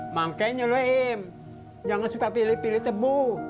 makanya lo im jangan suka pilih pilih tebu